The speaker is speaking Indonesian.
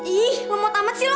ih lo mau tamat sih lo